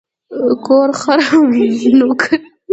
کور، خر او نوکر.